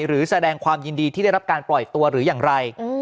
หรือแสดงความยินดีที่ได้รับการปล่อยตัวหรืออย่างไร